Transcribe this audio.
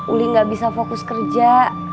uli gak bisa fokus kerja